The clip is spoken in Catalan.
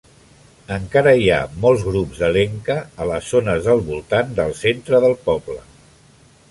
Encara hi ha molts grups de Lenca a les zones del voltant del centre del poble.